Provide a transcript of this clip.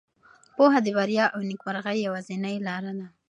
پوهه د بریا او نېکمرغۍ یوازینۍ لاره ده.